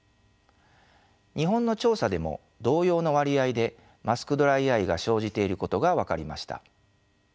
日本の調査でも同様の割合でマスクドライアイが生じていることが分かりました。